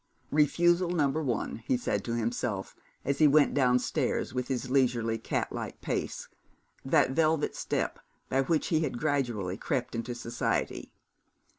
'Refusal number one,' he said to himself, as he went downstairs, with his leisurely catlike pace, that velvet step by which he had gradually crept into society.